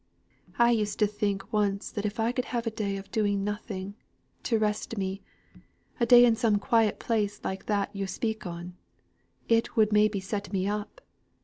"I used to think once that if I could have a day of doing nothing, to rest me a day in some quiet place like that yo' speak on it would maybe set me up.